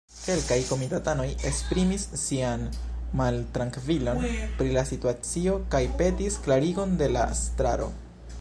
Kelkaj komitatanoj esprimis sian maltrankvilon pri la situacio kaj petis klarigon de la estraro.